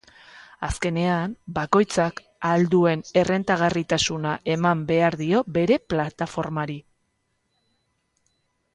Azkenean, bakoitzak ahal duen errentagarritasuna eman behar dio bere plataformari.